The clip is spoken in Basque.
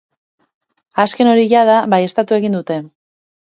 Azken hori jada baieztatu egin dute.